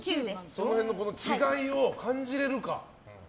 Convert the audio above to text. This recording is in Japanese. その辺の違いを感じられるか。